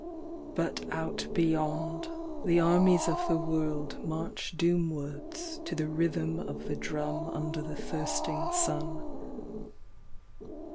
But out beyond, the armies of the world doomwards to the rhythm of the drum I fnder the thirsting sun.